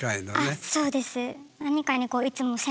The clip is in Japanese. あっそうです。